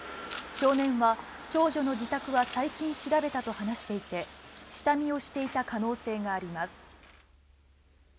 少年は、長女の自宅は最近調べたと話していて、下見をしていた可能性があります。